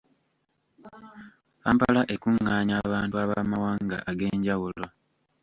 Kampala ekungaanya abantu ab’amawanga ag’enjawulo!